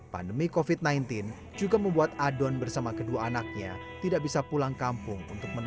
pandemi covid sembilan belas juga membuat adon bersama kedua anaknya tidak bisa pulang kampung untuk berada di kampung